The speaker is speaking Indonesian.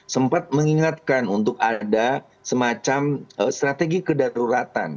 sempat mengingatkan untuk ada semacam strategi kedaruratan